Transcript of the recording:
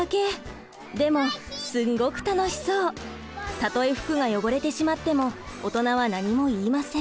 たとえ服が汚れてしまっても大人は何も言いません。